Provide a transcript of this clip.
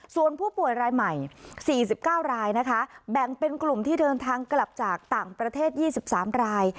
ส่วนผู้ป่วยรายใหม่๔๙รายนะคะแบ่งเป็นกลุ่มที่เดินทางกลับจากต่างประเทศ๒๓ราย